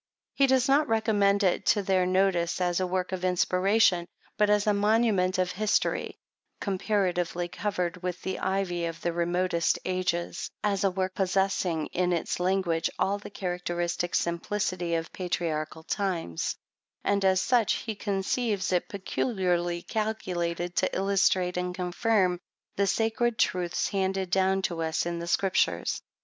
He does not recommend it to their notice as a work of inspiration, but as a monument of history, comparatively covered with the ivy of the re motest ages ; as a work possessing, in its language, all the characteristic simplicity of patriarchal times ; and as such, he conceives it peculiarly calculated to illustrate and confirm the sacred truths handed down to us in the Scriptures.